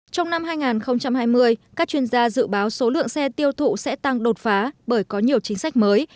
trong năm hai nghìn hai mươi các chuyên gia dự báo số lượng xe tiêu thụ sẽ tăng đột phá bởi có nhiều chính sách mới